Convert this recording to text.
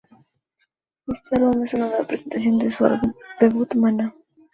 Este álbum es una nueva presentación de su álbum debut, "Maná".